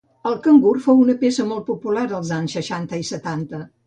El cangur fou peça molt popular als anys seixanta i setanta.